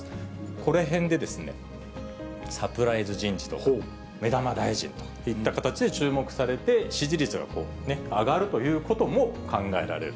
ここらへんで、サプライ人事とか目玉大臣といった形で、注目されて、支持率が上がるということも考えられる。